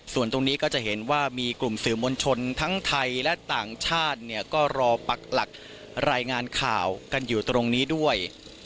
ส่วนตรงนี้ก็จะเห็นว่ามีกลุ่มสื่อมวลชนทั้งไทยและต่างชาติเนี่ยก็รอปักหลักรายงานข่าวกันอยู่ตรงนี้ด้วย